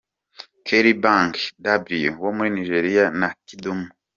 Kelly, Banky W wo muri Nigeria na Kidumu.